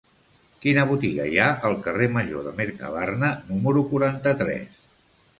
Quina botiga hi ha al carrer Major de Mercabarna número quaranta-tres?